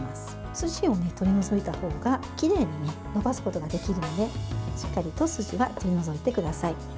筋を取り除いたほうがきれいにのばすことができるのでしっかりと筋は取り除いてください。